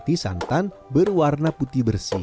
tujuannya agar nanti santan berwarna putih bersih